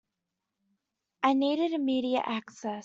I needed immediate access.